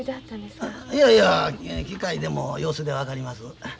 いやいや聞かいでも様子で分かります。